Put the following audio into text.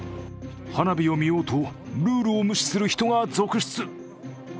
花火を見ようとルールを無視する人が続出。